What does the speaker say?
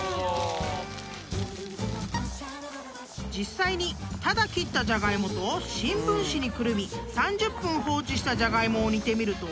［実際にただ切ったジャガイモと新聞紙にくるみ３０分放置したジャガイモを煮てみると］